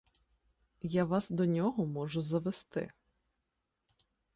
— Я вас до нього можу завести.